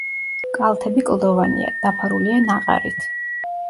კალთები კლდოვანია, დაფარულია ნაყარით.